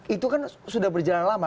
itu kan sudah berjalan lama